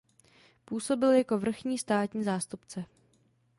Působil jako vrchní státní zástupce.